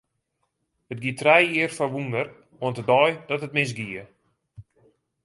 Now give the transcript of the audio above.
It gie trije jier foar wûnder, oant de dei dat it misgie.